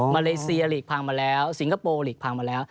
เลเซียหลีกพังมาแล้วสิงคโปร์หลีกพังมาแล้ว